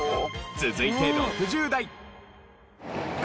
続いて６０代。